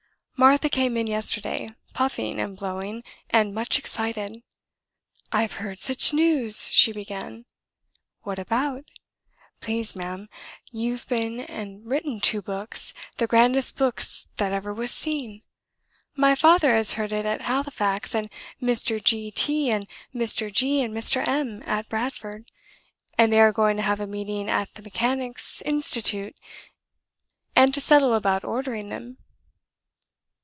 ... "Martha came in yesterday, puffing and blowing, and much excited. 'I've heard sich news!' she began. 'What about?' 'Please, ma'am, you've been and written two books the grandest books that ever was seen. My father has heard it at Halifax, and Mr. G T and Mr. G and Mr. M at Bradford; and they are going to have a meeting at the Mechanics' Institute, and to settle about ordering them.'